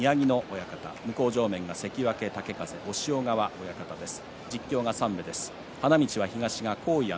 親方向正面は関脇豪風の押尾川親方です。